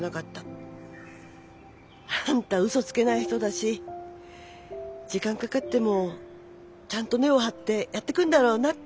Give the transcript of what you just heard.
あんたうそつけない人だし時間かかってもちゃんと根を張ってやってくんだろうなって。